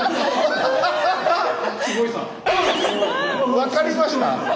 分かりました？